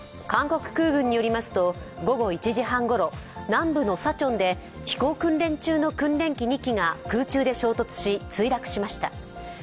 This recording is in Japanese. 韓国空軍によりますと午後１時半ごろ南部のサチョンで飛行訓練中の訓練機２機が空中で衝突し墜落しました。